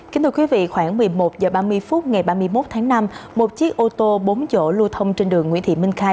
kính thưa quý vị khoảng một mươi một h ba mươi phút ngày ba mươi một tháng năm một chiếc ô tô bốn chỗ lưu thông trên đường nguyễn thị minh khai